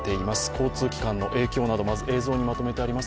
交通機関の影響など、映像にまとめてあります。